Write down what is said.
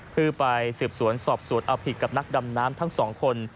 เพื่อไปสืบสวนสอบสวนเอาผิดกับนักดำน้ำทั้งสองคน